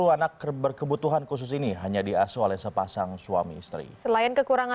tiga puluh anak keber kebutuhan khusus ini hanya di asuh oleh sepasang suami istri selain kekurangan